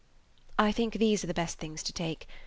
"I think these are the best things to take.